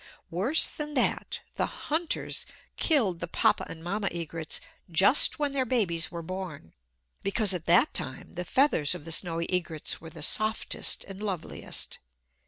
Worse than that, the hunters killed the Papa and Mamma egrets just when their babies were born, because at that time the feathers of the snowy egrets were the softest and loveliest.